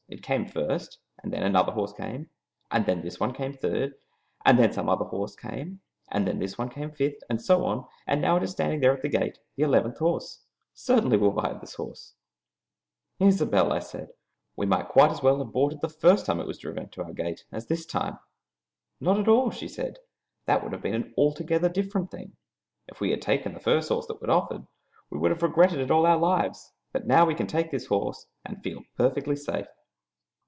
It came first, and then another horse came, and then this one came third, and then some other horse came, and then this one came fifth, and so on, and now it is standing there at the gate, the eleventh horse. Certainly we will buy this horse." "Isobel," I said, "we might quite as well have bought it the first time it was driven to our gate as this time." "Not at all," she said; "that would have been an altogether different thing. If we had taken the first horse that was offered we would have regretted it all our lives; but now we can take this horse and feel perfectly safe."